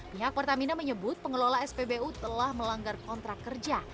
pihak pertamina menyebut pengelola spbu telah melanggar kontrak kerja